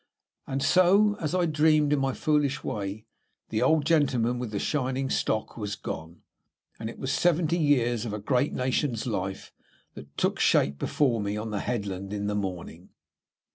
And so, as I dreamed in my foolish way, the old gentleman with the shining stock was gone, and it was seventy years of a great nation's life that took shape before me on the headland in the morning.